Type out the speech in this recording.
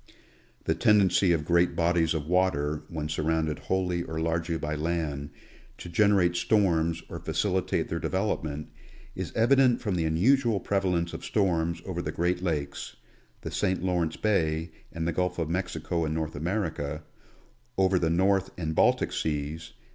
The tendency of great bodies of water, when surrounded wholly or largely by land, to generate storms or facilitate their develop ment, is evident from the unusual prevalence of storms over the great lakes, the St. Lawrence bay and the Gulf of Mexico in North America ; over the North and Baltic seas.